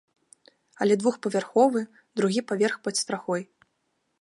Але двухпавярховы, другі паверх пад страхой.